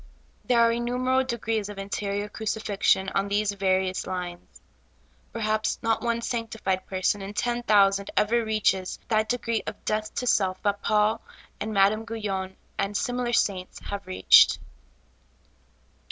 There are innumerable degrees of interior crucifixion on these various lines. Perhaps not one sanctified person in ten thousand ever reaches that de gree of death to self that Paul and Madame Gu3^on, and similar saints, have reached.